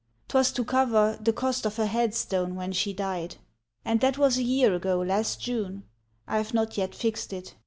'Twas to cover The cost of her headstone when she died. And that was a year ago last June; I've not yet fixed it.